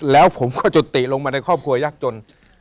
แล้วผมก็จุติลงมาในครอบครัวยากจน